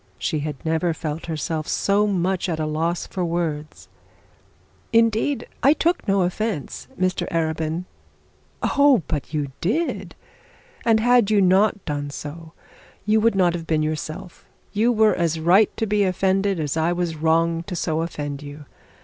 She had never felt herself so much at a loss for words. 'Indeed I took no offence, Mr Arabin.' 'Oh, but you did! And had you not done so, you would not have been yourself. You were as right to be offended, as I was wrong to so offend you.